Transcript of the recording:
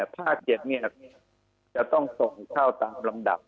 ภาค๗เนี่ยจะต้องส่งเท่าตามลำดับ